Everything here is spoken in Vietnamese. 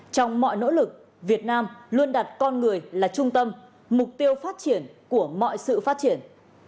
trong mọi nỗ lực việt nam luôn đặt con người là trung tâm mục tiêu phát triển của mọi sự phát triển